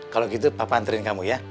kalau gitu papa antren kamu ya